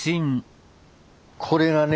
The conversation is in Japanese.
これがね